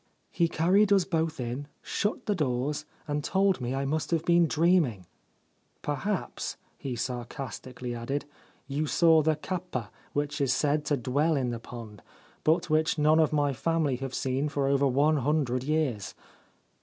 He carried us both in, shut the doors, and told me I must have been dreaming. " Perhaps," he sarcastically added, " you saw the kappa which is said to dwell in the pond, but which none of my family have seen for over one hundred years."